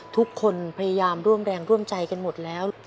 ทุกคนพยายามร่วมแรงร่วมใจกันหมดแล้ว